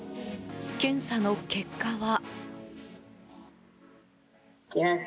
検査の結果は。